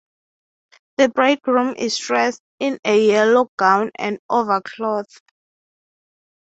The bridegroom is dressed in a yellow gown and overcloth.